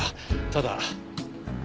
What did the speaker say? ただ？